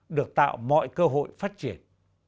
được tạo mọi cơ hội phát triển